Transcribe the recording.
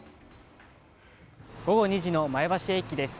午後２時の前橋駅です。